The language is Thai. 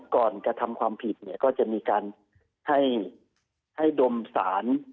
ก่อนกระทำความผิดก็จะมีการให้ดมสาร